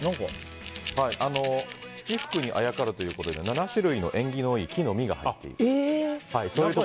七福にあやかるということで７種類の縁起のいい木の実が入っていると。